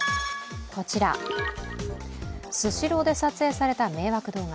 こちら、スシローで撮影された迷惑動画。